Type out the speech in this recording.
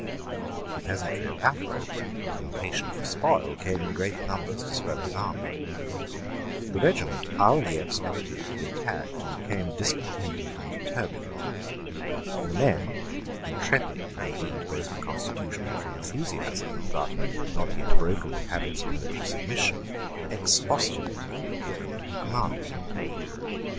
The peasantry of Athol, impatient for spoil, came in great numbers to swell his army. The regiment hourly expected to be attacked, and became discontented and turbulent. The men, intrepid, indeed, both from constitution and from enthusiasm, but not yet broken to habits of military submission, expostulated with Cleland, who commanded them.